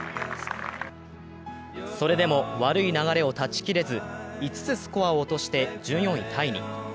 それでも悪い流れを断ち切れず、５つスコアを落として１４位タイに。